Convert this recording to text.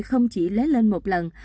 không chỉ lấy lên một lần